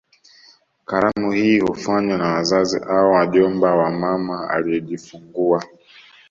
Karamu hii hufanywa na wazazi au wajomba wa mama aliyejifungua